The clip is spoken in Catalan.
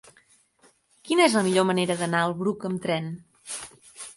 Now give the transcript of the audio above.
Quina és la millor manera d'anar al Bruc amb tren?